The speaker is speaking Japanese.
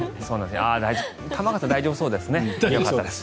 玉川さん大丈夫そうですね。